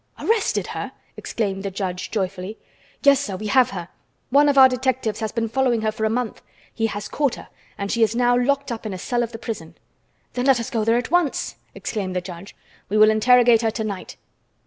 "Arrested her?" exclaimed the judge joyfully. "Yes, sir, we have her. One of our detectives has been following her for a month. He has caught her, and she is now locked up in a cell of the prison." "Then let us go there at once!" exclaimed the judge. "We will interrogate her to night.